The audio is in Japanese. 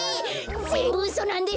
ぜんぶうそなんです！